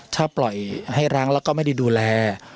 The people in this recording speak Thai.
ถ้าปล่อยให้ร้างแล้วก็ไม่ได้ดูแล